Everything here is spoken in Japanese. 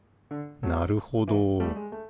なるほど。